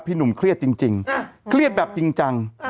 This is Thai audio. หนุ่มเครียดจริงเครียดแบบจริงจัง